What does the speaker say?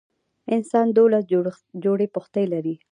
انسان دولس جوړي پښتۍ لري.